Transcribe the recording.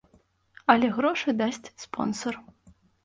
Але грошы дасць спонсар.